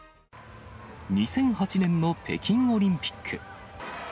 ２００８年の北京オリンピック。